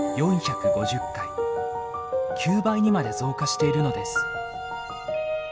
９倍にまで増加しているのです。